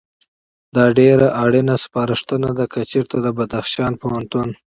دا ډېره اړینه سپارښتنه ده، که چېرته د بدخشان د پوهنتون